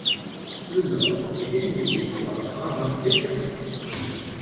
Le nord est délimité par un ravin escarpé.